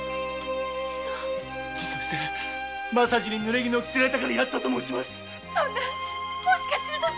自訴してぬれ衣を着せられたからやったと申します。